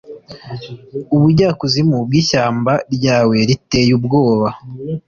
ubujyakuzimu bw'ishyamba ryawe riteye ubwoba: